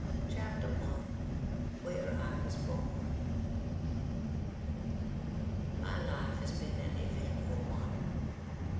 CHAPTER I WHERE I WAS BORN My life has been an eventful one.